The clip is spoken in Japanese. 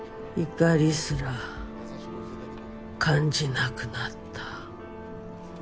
怒りすら感じなくなった。